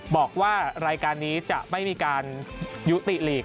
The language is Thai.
บอกว่ารายการนี้จะไม่มีการยุติหลีก